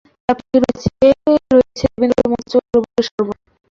যার পাশেই রয়েছে রয়েছে দেবেন্দ্র মঞ্চ ও রবীন্দ্র সরোবর।